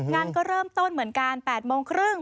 งานก็เริ่มต้นเหมือนกัน๘โมงครึ่ง